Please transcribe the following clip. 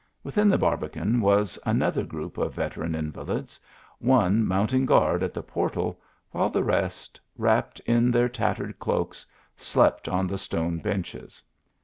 Within the barbican was another groupe of veteran invalids, one mounting guard at the portal, while the rest, wrapped in their tattered cloaks, slept on the stone benches.